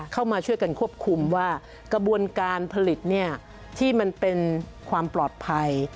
เข้ามาช่วยกันควบคุมว่ากระบวนการผลิตที่มันเป็นความปลอดภัย